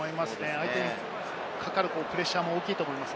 相手にかかるプレッシャーも大きいと思います。